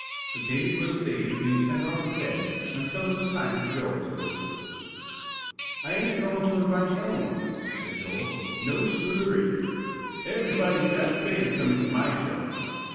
So David was saved being sent off to bed, until it was time for Joel to go too. "I ain't a goin' to invite any one," said Joel; "no, sir ree! Everybody's got to pay to come into my show."